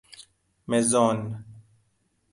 مزون